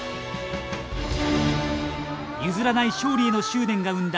譲らない勝利への執念が生んだ